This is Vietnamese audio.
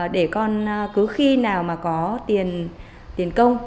để con cứ khi nào mà có tiền công